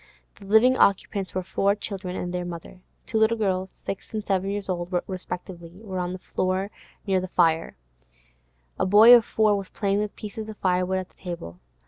The living occupants were four children and their mother. Two little girls, six and seven years old respectively, were on the floor near the fire; a boy of four was playing with pieces of firewood at the table.